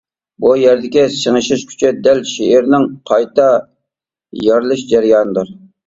بۇ يەردىكى سىڭىشىش كۈچى دەل شېئىرنىڭ قايتا يارىلىش جەريانىدۇر.